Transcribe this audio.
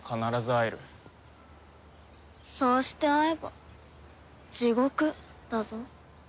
そうして会えば地獄だぞ。